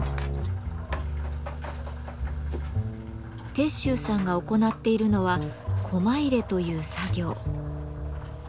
鉄舟さんが行っているのは「コマ入れ」という作業。